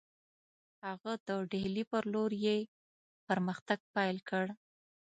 هغه د ډهلي پر لور یې پرمختګ پیل کړی.